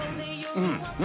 うん！